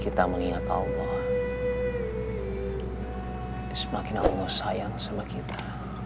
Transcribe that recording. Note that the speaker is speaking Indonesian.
kita mengingat allah semakin allah sayang sama kita